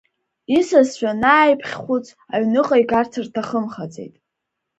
Исасцәа анааиԥхьхәыц аҩныҟа игарц рҭахымхаӡеит.